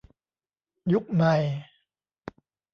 ยุคใหม่